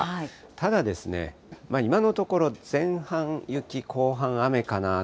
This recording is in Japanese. ただですね、今のところ前半雪、後半雨かな。